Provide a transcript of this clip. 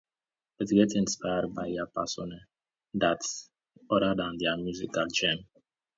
He gets inspired by their persona other than their musical genre.